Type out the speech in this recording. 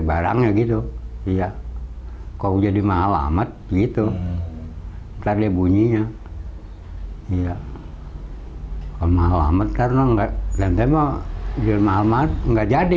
kadang kadang kalau mahal mahal tidak jadi